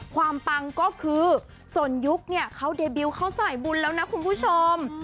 ปังก็คือส่วนยุคเนี่ยเขาเดบิลเขาสายบุญแล้วนะคุณผู้ชม